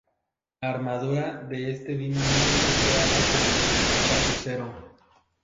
La armadura de este Dínamo fue creada por el Chapucero.